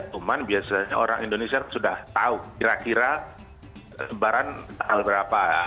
cuman biasanya orang indonesia sudah tahu kira kira lebaran berapa